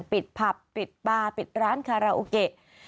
ปิดผับปิดปลาปิดร้านคาราโอเกะ